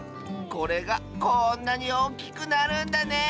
これがこんなにおおきくなるんだね！